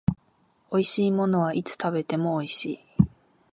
美味しいものはいつ食べても美味しい